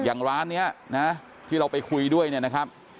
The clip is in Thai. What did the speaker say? อย่างร้านนี้นะที่เราไปคุยด้วยเนี่ยนะครับ